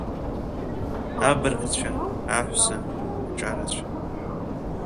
Абыргцәа, аҳәса, аҿарацәа.